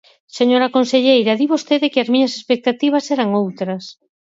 Señora conselleira, di vostede que as miñas expectativas eran outras.